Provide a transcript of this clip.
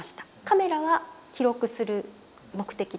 カメラは記録する目的だけです。